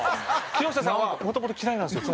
木下さんはもともと嫌いなんですよ